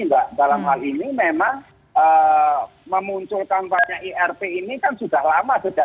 mbak dalam hal ini memang memunculkan banyak irp ini kan sudah lama